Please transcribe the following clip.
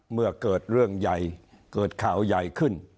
เมื่อเกิดเรื่องใหญ่เกิดข่าวใหญ่ขึ้น